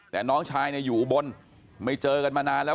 แต่น้องชายเนี่ยอยู่บนไม่เจอกันมานานแล้ว